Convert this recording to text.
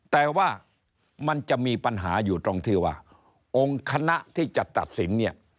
แต่ว่ามันจะมีปัญหาอยู่ตรงที่ว่าองค์คณะที่จะตัดสินเนี่ย